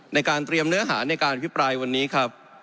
ในการเตรียมเนื้อหาในการพิปรายวันนี้ครับ